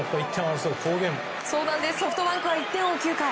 ソフトバンクは１点を追う９回。